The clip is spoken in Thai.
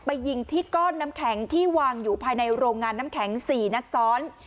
ยิงที่ก้อนน้ำแข็งที่วางอยู่ภายในโรงงานน้ำแข็ง๔นัดซ้อน